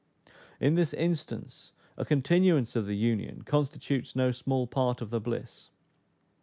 In this instance a continuance of the union constitutes no small part of the bliss.